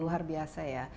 luar biasa ya